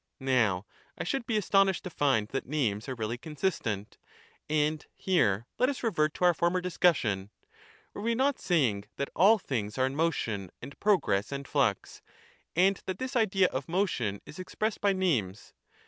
Now I should be astonished to find that names are really consistent. And here let us revert to our former discussion : Were we not saying that all things are in motion and progress and flux, and that this idea of motion is expres.sed by names?